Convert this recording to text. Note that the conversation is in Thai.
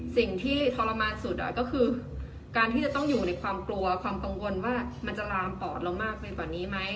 สิ่งที่ทรมานสุดก็คือการที่จะต้องอยู่ในความกลัวความกังวลว่ามันจะลามปอดเรามากไปกว่านี้ไหม